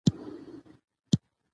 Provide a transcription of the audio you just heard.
تل هڅه وکړئ چې په خپلو پښو ودرېږئ.